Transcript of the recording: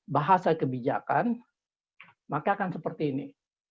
bahasa kebijakan maka akan seperti ini